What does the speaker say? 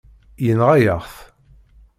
Yenɣa-yaɣ-t.